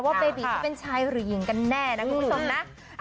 เบบีเขาเป็นชายหรือหญิงกันแน่นะคุณผู้ชมนะ